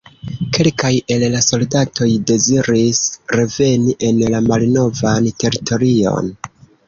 Kelkaj el la soldatoj deziris reveni en la malnovan teritorion.